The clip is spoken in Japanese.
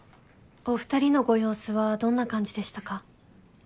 お２人のご様子はどんな感じでしたか？